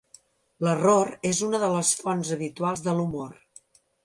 L'error és una de les fonts habituals de l'humor.